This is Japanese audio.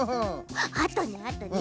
あとねあとね。